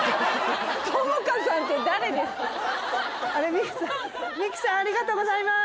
ミキさんミキさんありがとうございます！